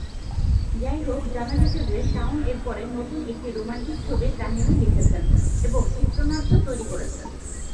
যাইহোক, জানা গেছে যে শাওন এরপরে নতুন একটি রোমান্টিক ছবির কাহিনী লিখেছেন এবং চিত্রনাট্য তৈরি করছেন।